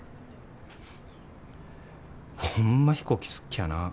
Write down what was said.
ホンマ飛行機好っきゃなぁ。